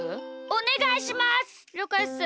おねがいします！